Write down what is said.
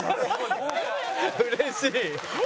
うれしい。